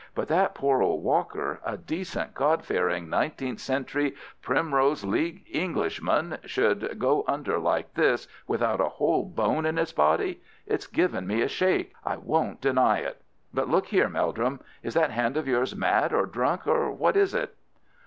But that poor old Walker, a decent, God fearing, nineteenth century, Primrose League Englishman should go under like this without a whole bone in his body—it's given me a shake, I won't deny it. But look there, Meldrum, is that hand of yours mad or drunk, or what is it?"